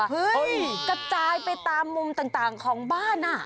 เฮ้ยกระจายไปตามมุมต่างของบ้านอ่ะ